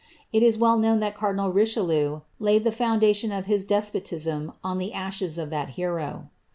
It is well known that cardinal Richelieu laid ihe foundation of his despotism on the ashes of that hero.